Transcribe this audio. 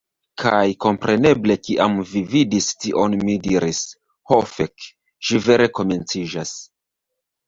Kaj kompreneble kiam vi vidis tion mi diris, "Ho fek'! Ĝi vere komenciĝas!"